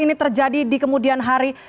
ini terjadi di kemudian hari